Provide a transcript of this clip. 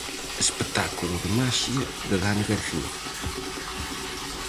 Espectáculo de maxia de Dani García.